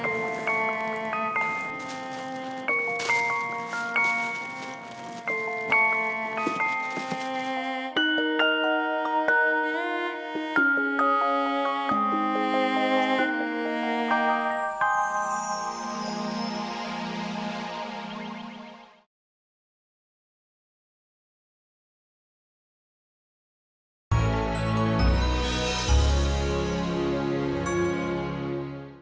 sampai jumpa lagi